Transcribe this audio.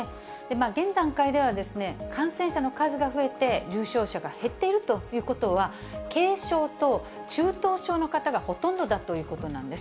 現段階では、感染者の数が増えて重症者が減っているということは、軽症と中等症の方がほとんどだということなんです。